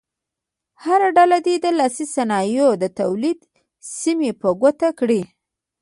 هره ډله دې د لاسي صنایعو د تولید سیمې په ګوته کړي.